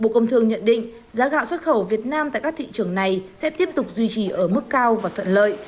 bộ công thương nhận định giá gạo xuất khẩu việt nam tại các thị trường này sẽ tiếp tục duy trì ở mức cao và thuận lợi